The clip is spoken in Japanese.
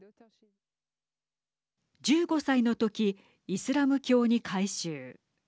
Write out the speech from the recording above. １５歳のときイスラム教に改宗。